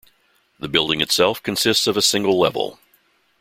The building itself consists of a single level.